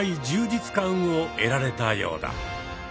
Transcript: じつ感を得られたようだ。